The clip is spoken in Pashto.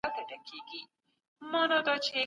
صادرات د هېواد عاید ډېروي.